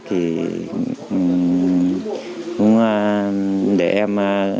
thì cũng để em